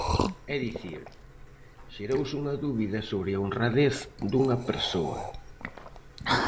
É dicir, xerouse unha dúbida sobre a honradez dunha persoa.